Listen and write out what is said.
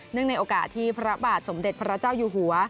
ในโอกาสที่พระบาทสมเด็จพระเจ้าอยู่หัว